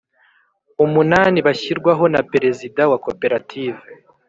umunani bashyirwaho na Perezida wa koperative